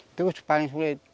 itu supaya bisa berhasil